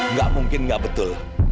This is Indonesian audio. gak mungkin gak betul